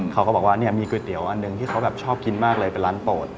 เขาก็บอกว่าเนี่ยมีก๋วยเตี๋ยวอันหนึ่งที่เขาแบบชอบกินมากเลยเป็นร้านโปรด